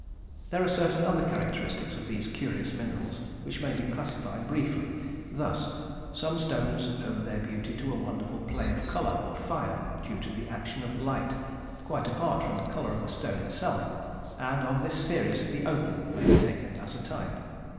There are certain other characteristics of these curious minerals which may be classified briefly, thus: Some stones owe their beauty to a wonderful play of colour or fire, due to the action of light, quite apart from the colour of the stone itself, and of this series the opal may be taken as a type.